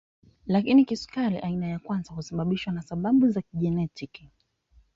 Lakini kisukari aina ya kwanza husababishwa na sababu za kijenetiki